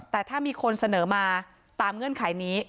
แต่ถ้ามีคนเสนอมาตามเงื่อนไขนี้